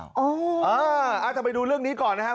คุณผู้ชมจะไปดูเรื่องนี้ก่อนนะครับ